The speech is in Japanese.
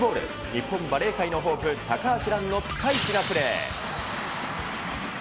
日本バレー界のホープ、高橋藍のピカイチなプレー。